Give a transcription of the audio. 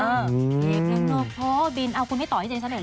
เพลงนี้ก็พอบินคุณให้ต่อให้เจนฉันได้เหรอ